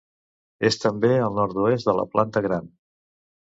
És també al nord-oest de la Planta Gran.